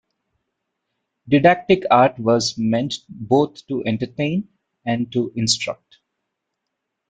Didactic art was meant both to entertain and to instruct.